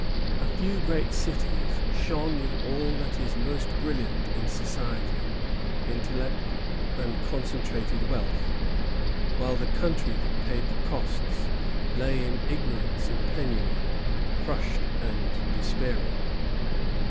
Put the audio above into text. A few great cities shone with all that is most brilliant in society, intellect, and concentrated wealth; while the country that paid the costs lay in ignorance and penury, crushed and despairing.